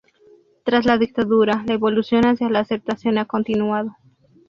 Tras la dictadura, la evolución hacia la aceptación ha continuado.